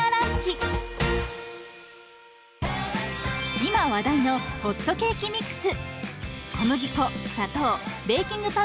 今話題のホットケーキミックス。